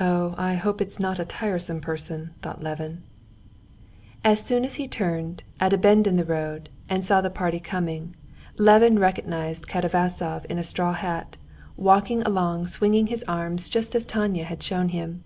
"Oh, I hope it's not a tiresome person!" thought Levin. As soon as he turned, at a bend in the road, and saw the party coming, Levin recognized Katavasov in a straw hat, walking along swinging his arms just as Tanya had shown him.